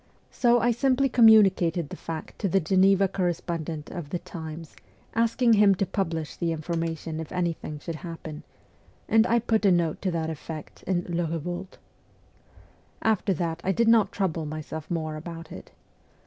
So 1 simply communicated the fact to the Geneva correspondent of the 'Times,' asking him to publish the informa tion if anything should happen, and I put a note to that effect in ' Le Be volte.' After that I did not trouble myself more about it.